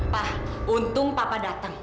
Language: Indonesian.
pak untung papa datang